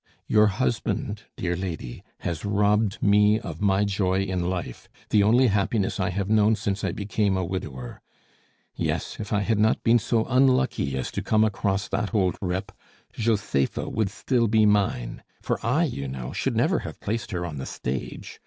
Your husband, dear lady, has robbed me of my joy in life, the only happiness I have known since I became a widower. Yes, if I had not been so unlucky as to come across that old rip, Josepha would still be mine; for I, you know, should never have placed her on the stage.